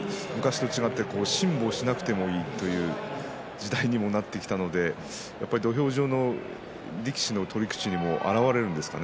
昔と違って辛抱しなくてもいいという時代にもなってきたので土俵上の力士の取り口にも表れるんですかね